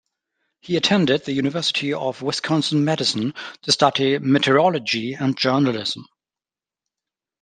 He attended the University of Wisconsin-Madison to study meteorology and journalism.